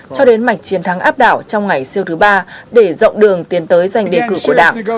cho đến mạch chiến thắng áp đảo trong ngày siêu thứ ba để rộng đường tiến tới giành đề cử của đảng